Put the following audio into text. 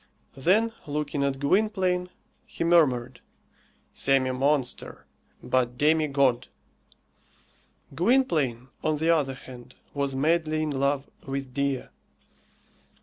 Then, looking at Gwynplaine, he murmured, Semi monster, but demi god. Gwynplaine, on the other hand, was madly in love with Dea.